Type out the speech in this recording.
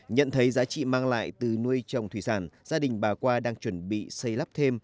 nhận thấy giá trị mang lại từ nuôi trồng thủy sản gia đình bà qua đang chuẩn bị xây lắp thêm